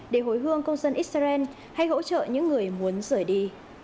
để hồi hương công dân israel hay hỗ trợ những người muốn rời đi